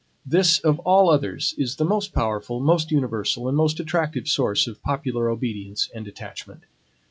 This, of all others, is the most powerful, most universal, and most attractive source of popular obedience and attachment.